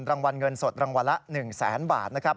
รางวัลเงินสดรางวัลละ๑๐๐๐๐๐บาทนะครับ